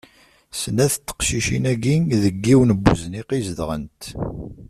Snat n teqcicin-agi deg yiwen n uzniq i zedɣent.